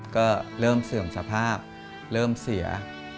ก็เริ่มเสื่อมสภาพเริ่มเสีย